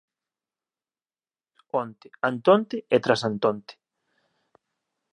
Onte, antonte e trasantonte